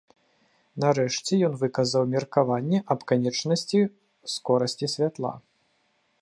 Нарэшце, ён выказаў меркаванне аб канечнасці скорасці святла.